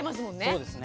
そうですね。